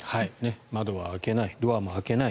窓は開けないドアも開けない。